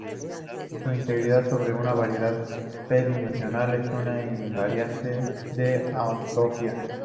Su integral sobre una variedad p-dimensional es un invariante de homotopía.